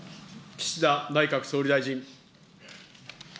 岸田内閣総理大臣。